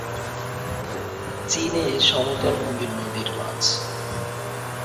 চীনে সমতল ভূমির নদীর মাছ।